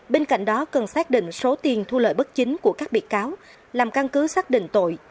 bên cạnh đó cần xác định số tiền thu lợi bất chính của các bị cáo làm căn cứ xác định tội